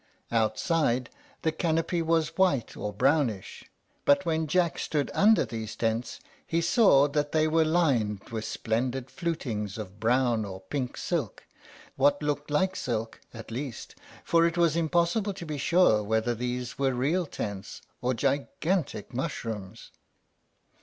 Outside the canopy was white or brownish; but when Jack stood under these tents, he saw that they were lined with splendid flutings of brown or pink silk: what looked like silk, at least, for it was impossible to be sure whether these were real tents or gigantic mushrooms.